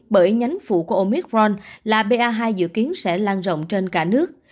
bởi nhánh phụ của omicron là pa hai dự kiến sẽ lan rộng trên cả nước